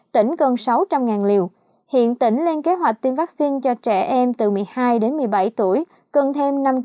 tỉnh cần sáu trăm linh liều hiện tỉnh lên kế hoạch tiêm vaccine cho trẻ em từ một mươi hai một mươi bảy tuổi cần thêm